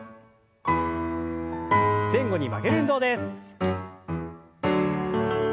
前後に曲げる運動です。